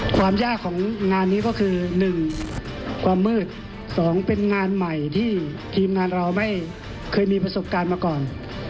ความยากของงานนี้ก็คือ๑ความมืด๒เป็นงานใหม่ที่ทีมงานเราไม่เคยมีประสบการณ์มาก่อน